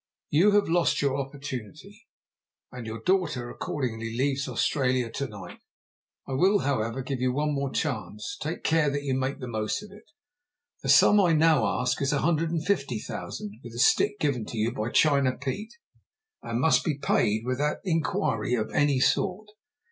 You have lost your opportunity, and your daughter accordingly leaves Australia to night. I will, however, give you one more chance take care that you make the most of it. The sum I now ask is £150,000 with the stick given you by China Pete, and must be paid without inquiry of any sort.